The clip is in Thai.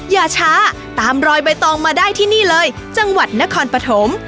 อย่าช้าตามรอยใบตองมาได้ที่นี่เลยจังหวัดนครปฐม